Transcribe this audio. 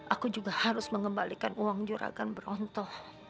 aku juga harus mengembalikan uang juragan berontoh